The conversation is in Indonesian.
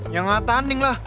ya enggak tanding lah